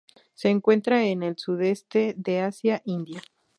Se encuentra en el sudeste de Asia, India.